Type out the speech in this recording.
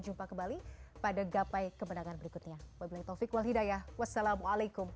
jumpa kembali pada gapai kemenangan berikutnya wabil taufik walhidayah wassalamualaikum